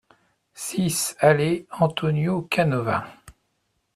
six allée Antonio Canova